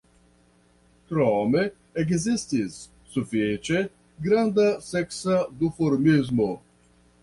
Krome ekzistis sufiĉe granda seksa duformismo.